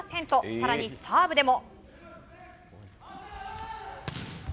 更に、サーブでも。